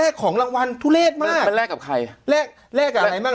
แลกของรางวัลทุเรศมากมันแลกกับใครแลกแลกกับอะไรบ้าง